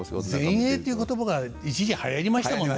前衛って言葉が一時はやりましたもんね。